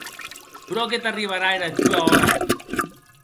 Pro que t’arribarà era tua ora!